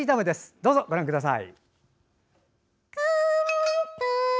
どうぞご覧ください。